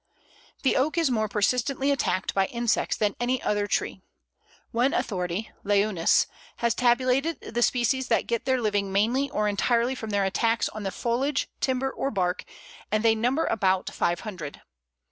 The Oak is more persistently attacked by insects than any other tree. One authority (Leunis) has tabulated the species that get their living mainly or entirely from their attacks on the foliage, timber, or bark, and they number about five hundred.